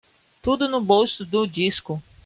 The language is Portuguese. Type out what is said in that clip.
Tudo no bolso do disco